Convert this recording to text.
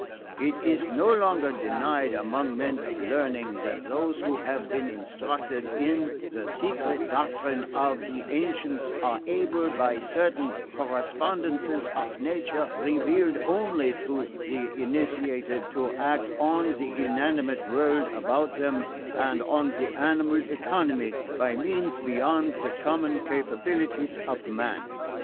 It is no longer denied among men of learning that those who have been instructed in the secret doctrine of the ancients are able, by certain correspondences of nature, revealed only to the initiated, to act on the inanimate world about them, and on the animal economy, by means beyond the common capabilities of man."